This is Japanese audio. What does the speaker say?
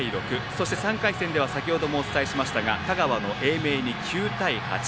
そして、３回戦では先ほどもお伝えしましたが香川の英明に９対８。